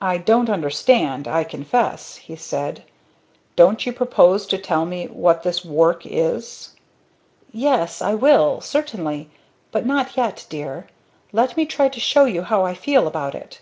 "I don't understand, I confess," he said. "Don't you propose to tell me what this 'work' is?" "Yes I will certainly. But not yet dear! Let me try to show you how I feel about it."